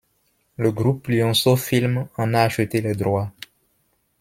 Le groupe Lionceau Film en a acheté les droits.